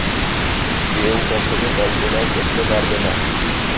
কেউ কখনও কল্পনাও করতে পারবে না।